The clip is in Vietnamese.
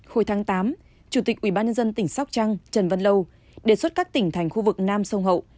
hồi tháng tám chủ tịch ubnd tỉnh sóc trăng trần văn lâu đề xuất các tỉnh thành khu vực nam sông hậu